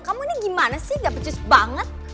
kamu ini gimana sih gak pecus banget